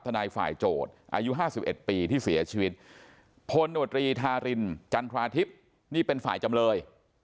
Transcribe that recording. ทนายฝ่ายโจทย์อายุ๕๑ปีที่เสียชีวิตพลโนตรีทารินจันทราทิพย์นี่เป็นฝ่ายจำเลย